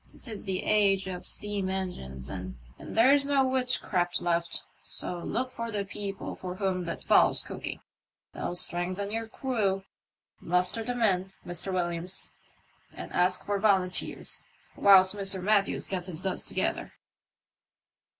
This is the age of steam engines, and there's no witchcraft left, so look for the people for whom that fowl's cooking ; they'll strengthen your crew. Muster the men, Mr. Williams, and ask for volunteers, whilst Mr. Matthews gets his duds together."